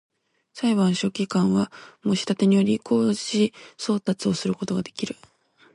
裁判所書記官は、申立てにより、公示送達をすることができる